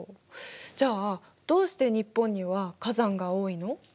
じゃあどうして日本には火山が多いの？